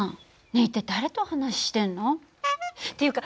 一体誰とお話ししてんの？っていうか